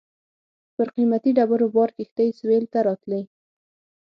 پر قیمتي ډبرو بار کښتۍ سېویل ته راتلې.